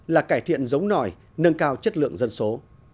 là cải thiện giống nòi nâng cao chất lượng dân số